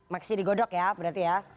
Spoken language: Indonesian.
masih digodok ya berarti ya